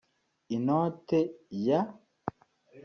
Inote ya